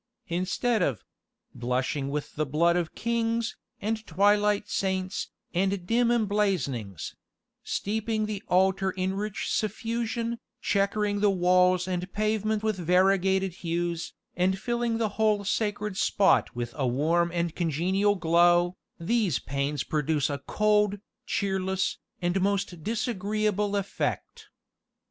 Instead of "blushing with the blood of kings, And twilight saints, and dim emblazonings" steeping the altar in rich suffusion, chequering the walls and pavement with variegated hues, and filling the whole sacred spot with a warm and congenial glow, these panes produce a cold, cheerless, and most disagreeable effect.